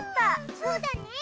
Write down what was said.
そうだね。